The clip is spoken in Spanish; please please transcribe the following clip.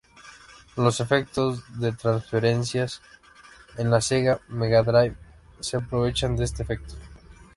Los efectos de transparencia en la Sega Megadrive se aprovechan de este efecto.